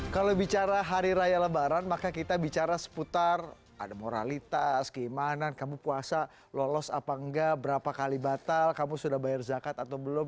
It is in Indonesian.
kalau bicara hari raya lebaran maka kita bicara seputar ada moralitas keimanan kamu puasa lolos apa enggak berapa kali batal kamu sudah bayar zakat atau belum